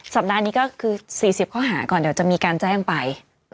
สัปดาห์นี้ก็คือ๔๐ข้อหาก่อนเดี๋ยวจะมีการแจ้งไป